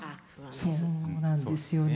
そうなんですよね。